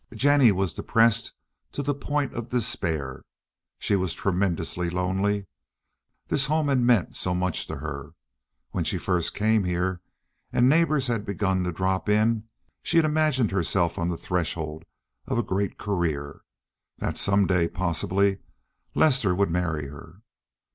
Jennie was depressed to the point of despair. She was tremendously lonely. This home had meant so much to her. When she first came here and neighbors had begun to drop in she had imagined herself on the threshold of a great career, that some day, possibly, Lester would marry her.